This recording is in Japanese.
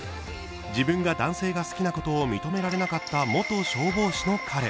自分が男性が好きなことを認められなかった元消防士の彼。